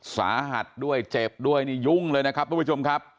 สาหัสด้วยเจ็บด้วยนี่ยุ่งเลยนะครับทุกผู้ชมครับ